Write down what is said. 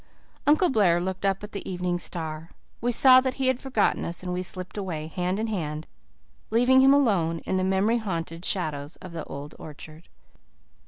Uncle Blair looked up at the evening star. We saw that he had forgotten us, and we slipped away, hand in hand, leaving him alone in the memory haunted shadows of the old orchard.